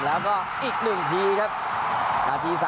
แล้วก็อีกหนึ่งทีครับนาที๓๓